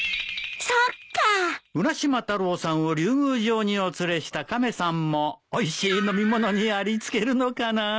浦島太郎さんを竜宮城にお連れした亀さんもおいしい飲み物にありつけるのかな？